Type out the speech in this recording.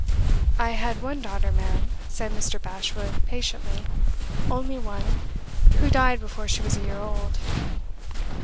"I had one daughter, ma'am," said Mr. Bashwood, patiently "only one, who died before she was a year old."